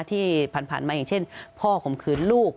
ที่ผ่านมาอย่างเช่นพ่อข่มขืนลูก